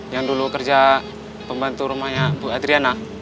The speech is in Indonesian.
yang dulu kerja pembantu rumahnya bu adriana